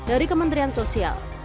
dari kementerian sosial